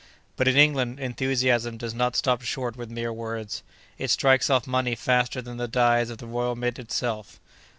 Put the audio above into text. But, in England, enthusiasm does not stop short with mere words. It strikes off money faster than the dies of the Royal Mint itself.